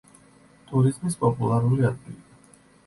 ტურიზმის პოპულარული ადგილია.